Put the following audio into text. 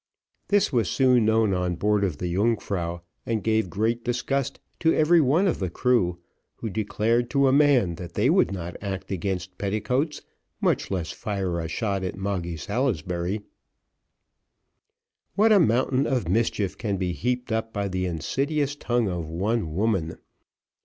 This was soon known on board of the Yungfrau, and gave great disgust to every one of the crew, who declared to a man, that they would not act against petticoats, much less fire a shot at Moggy Salisbury. What a mountain of mischief can be heaped up by the insidious tongue of one woman!